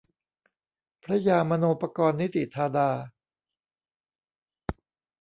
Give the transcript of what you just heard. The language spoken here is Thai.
พระยามโนปกรณ์นิติธาดา